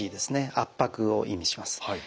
圧迫を意味します。